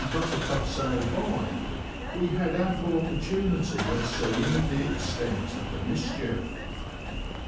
17 Buttercup sailed by we had ample opportunity of seeing the extent of the mischief.